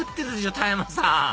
田山さん